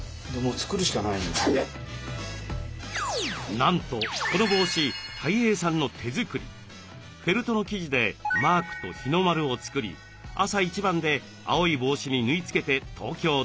なんとこの帽子フェルトの生地でマークと日の丸を作り朝一番で青い帽子に縫い付けて東京ドームへ。